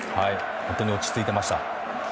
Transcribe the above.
本当に落ち着いていました。